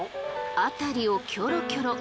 辺りをキョロキョロ。